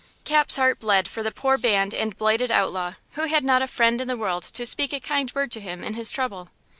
Cap's heart bled for the poor banned and blighted outlaw, who had not a friend in the world to speak a kind word to him in his trouble.